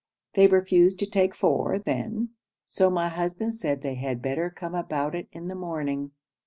They refused to take four then, so my husband said they had better come about it in the morning.